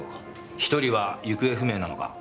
１人は行方不明なのか？